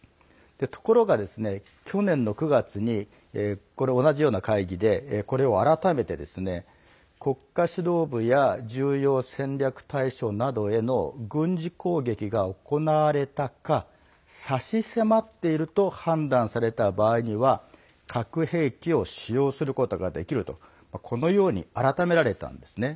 ところが、去年の９月に同じような会議で、これを改めて国家指導部や重要戦略対象などへの軍事攻撃が行われたか差し迫っていると判断された場合には核兵器を使用することができるとこのように改められたんですね。